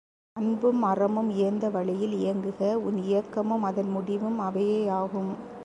அன்பும் அறமும் இயைந்த வழியில் இயங்குக உன் இயக்கமும் அதன் முடிவும் அவையேயாகும்.